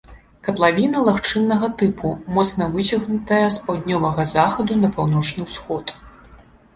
Катлавіна лагчыннага тыпу, моцна выцягнутая з паўднёвага захаду на паўночны ўсход.